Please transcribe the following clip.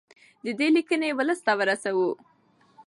د ده لیکنې ولس ته ورسوو.